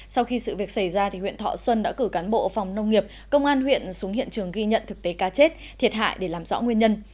sau khi sự việc xảy ra huyện thọ xuân đã cử cán bộ phòng nông nghiệp công an huyện xuống hiện trường ghi nhận thực tế cá chết thiệt hại để làm rõ nguyên nhân